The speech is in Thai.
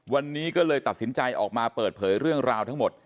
วันนี้ก็เลยตัดสินใจออกมาเปิดเผยเรื่องราวทั้งหมด